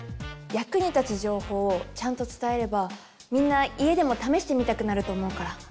役に立つ情報をちゃんと伝えればみんな家でも試してみたくなると思うから。